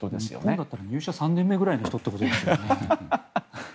今だったら入社３年目くらいの人ということですよね。